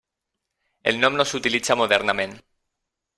El nom no s'utilitza modernament.